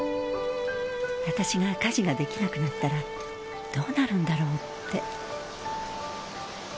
私が家事ができなくなったら、どうなるんだろうって。